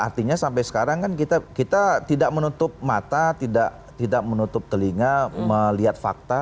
artinya sampai sekarang kan kita tidak menutup mata tidak menutup telinga melihat fakta